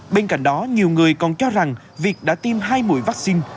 bên cạnh đó nhiều người còn cho rằng việc đã tiêm hai mũi vaccine